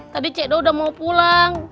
tadi cik edo udah mau pulang